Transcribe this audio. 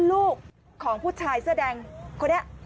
โรดเจ้าเจ้าเจ้าเจ้าเจ้าเจ้าเจ้าเจ้าเจ้าเจ้า